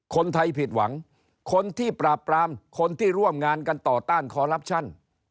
คนไทยผิดหวังคนที่ปราบปรามคนที่ร่วมงานกันต่อต้านคอลลับชั่น